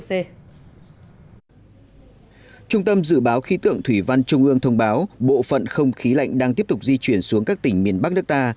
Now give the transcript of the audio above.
trung tâm dự báo khí tượng thủy văn trung ương thông báo bộ phận không khí lạnh đang tiếp tục di chuyển xuống các tỉnh miền bắc nước ta